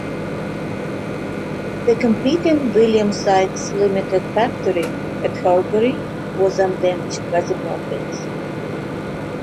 The competing William Sykes Limited factory at Horbury was undamaged by the bombings.